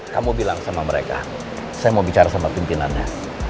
kamu bilang sama mereka saya mau bicara sama pimpinannya